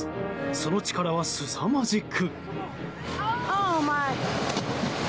その力はすさまじく。